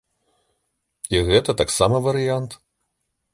І гэта таксама варыянт.